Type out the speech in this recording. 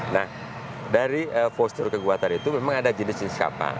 nah dari postur kekuatan itu memang ada jenis jenis kapal